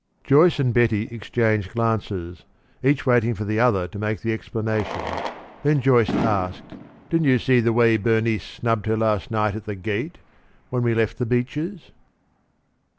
Joyce and Betty exchanged glances, each waiting for the other to make the explanation. Then Joyce asked: "Didn't you see the way Bernice snubbed her last night at the gate, when we left The Beeches?"